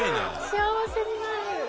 幸せになる。